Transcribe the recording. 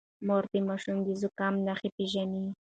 مور د ماشوم د زکام نښې پېژني.